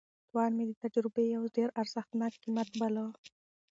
تاوان مې د تجربې یو ډېر ارزښتناک قیمت وباله.